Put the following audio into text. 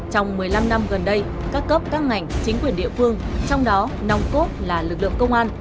trong một mươi năm năm gần đây các cấp các ngành chính quyền địa phương trong đó nòng cốt là lực lượng công an